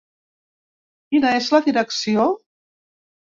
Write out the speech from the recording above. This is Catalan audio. Quina és la direcció?